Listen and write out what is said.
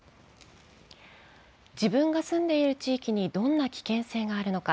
自分が住んでいる地域に、どんな危険性があるのか。